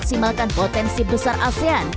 memaksimalkan potensi besar asean